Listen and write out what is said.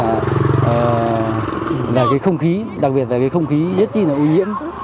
đặc biệt là cái không khí đặc biệt là cái không khí rất chi là ô nhiễm